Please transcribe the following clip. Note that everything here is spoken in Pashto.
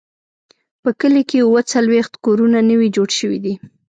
په کلي کې اووه څلوېښت کورونه نوي جوړ شوي دي.